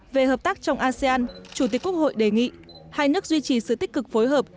về hợp tác trong asean chủ tịch quốc hội đề nghị hai nước duy trì sự tích cực phối hợp